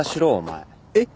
えっ？